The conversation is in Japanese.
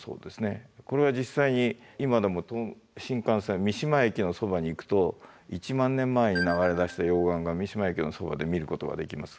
これは実際に今でも新幹線三島駅のそばに行くと１万年前に流れ出した溶岩が三島駅のそばで見ることができます。